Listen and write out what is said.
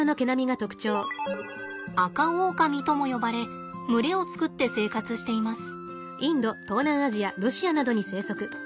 アカオオカミとも呼ばれ群れを作って生活しています。